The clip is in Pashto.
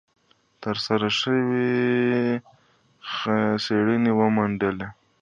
ترسره شوې څېړنې وموندلې،